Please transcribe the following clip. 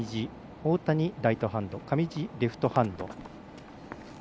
大谷、ライトハンド上地、レフトハンド。